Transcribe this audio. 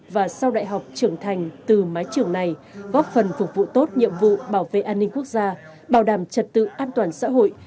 và sau đại học trưởng thành từ mái trường này góp phần phục vụ tốt nhiệm vụ bảo vệ an ninh quốc gia bảo đảm trật tự an toàn xã hội